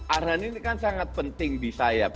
arhan ini kan sangat penting di sayap